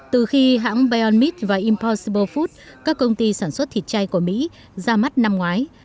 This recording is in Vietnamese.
từ khi hãng beyond meat và impossible food các công ty sản xuất thịt chay của mỹ ra mắt năm ngoái